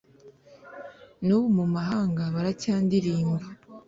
N’ubu mu mahanga baracyandilimba,